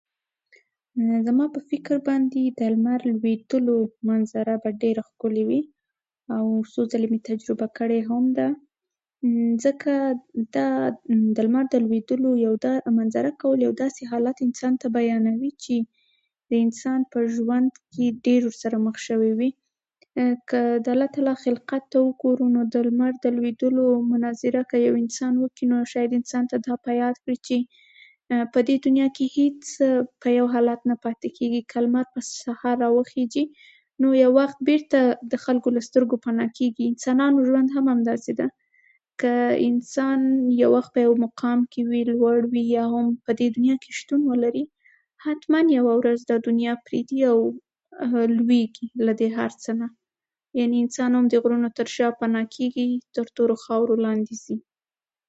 زما په فکر باندې د لمر لويدلو منظره به ډېره ښکلې وي او څو خله مې تجربه کړې هم ده ځکه دا مممم د لمر د لویدلو منظره کول داسې حالت انسان ته بیانوي چې د انسان په ژوند کې دېر ورسره مخ شوی وي که د الله تعالی خلقت ته وګورو نو د لمر لویدلو منظره که یو انسان وګوري نو شاید انسان ته دا په یاد کړي چې په دې دنيا کې هيڅ په یو حالت کې نه پاتې کېږي که لمر په سهار راوخيږي نو یو وخت بیرته د خلکو له سترګو پناه کېږي انسانانو ژونت هم همداسې ده که انسان یو وخت په یو مقام کې وي لوړ وي یا هم په دې دنيا کې شتون ولري ختما دا دنیا يه ورځ پريږيدي او لويږي له دې هر څه نه یعنې انسان هم د غرونو تر شا پنا ه کېږي ترتورو خاورو لاندې ځي